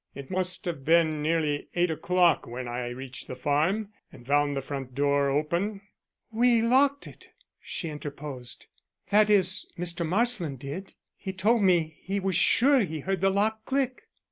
It must have been nearly eight o'clock when I reached the farm and found the front door open." "We locked it," she interposed. "That is, Mr. Marsland did: he told me that he was sure he heard the lock click."